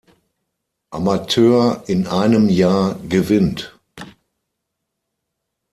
Amateur in einem Jahr gewinnt.